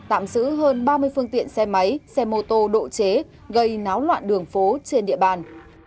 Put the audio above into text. tạm giữ hơn ba mươi phương tiện xe máy xe mô tô độ chế gây náo loạn đường phố trên địa bàn